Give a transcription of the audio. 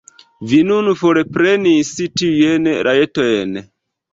Vi nun forprenis tiujn rajtojn.